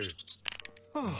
はあ。